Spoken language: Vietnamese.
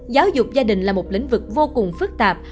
giáo dục gia đình là một lĩnh vực vô cùng phức tạp